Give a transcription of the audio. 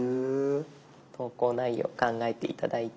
投稿内容を考えて頂いて。